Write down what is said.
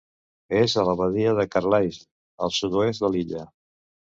És a la badia de Carlisle al sud-oest de l'illa.